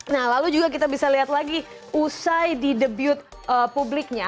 nah lalu juga kita bisa lihat lagi usai di debut publiknya